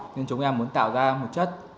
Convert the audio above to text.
nhưng chúng em muốn tạo ra một chất